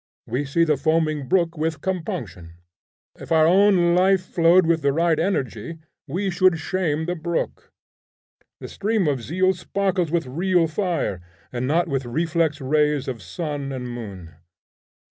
We see the foaming brook with compunction: if our own life flowed with the right energy, we should shame the brook. The stream of zeal sparkles with real fire, and not with reflex rays of sun and moon.